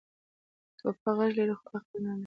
توپک غږ لري، خو عقل نه لري.